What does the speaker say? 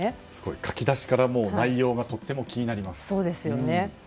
書き出しから内容がとても気になります。